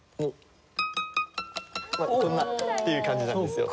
まあこんなっていう感じなんですよ。